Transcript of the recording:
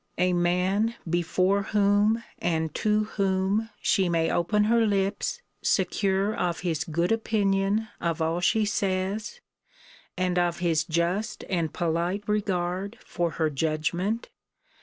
A man, before whom, and to whom she may open her lips secure of his good opinion of all she says, and of his just and polite regard for her judgment?